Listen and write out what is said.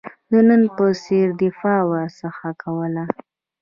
د نن په څېر دفاع ورڅخه کوله.